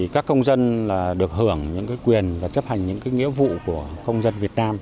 các công dân được hưởng những quyền và chấp hành những nghĩa vụ của công dân việt nam